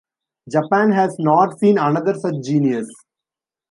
Japan has not seen another such genius.